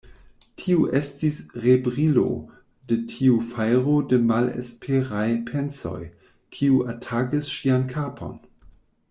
Tio estis rebrilo de tiu fajro de malesperaj pensoj, kiu atakis ŝian kapon.